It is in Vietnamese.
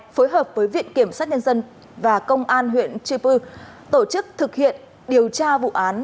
phối hợp với viện kiểm sát nhân dân và công an huyện chư pư tổ chức thực hiện điều tra vụ án